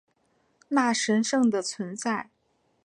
那神圣的存在